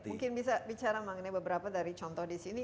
oke mungkin bisa bicara mengenai beberapa dari contoh disini